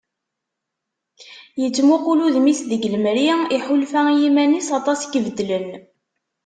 Yettmuqul udem-is deg lemri, iḥulfa i yiman-is aṭas i ibeddlen.